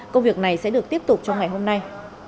công việc này sẽ được tiếp tục trong ngày hôm nay